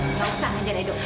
nggak usah nganjar edo